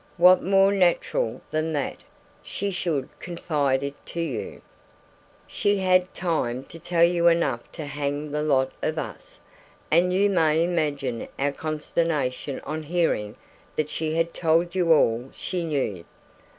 What more natural than that she should confide it to you? She had had time to tell you enough to hang the lot of us; and you may imagine our consternation on hearing that she had told you all she knew!